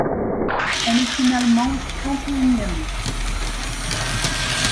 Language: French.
Elle est finalement trente-et-unième.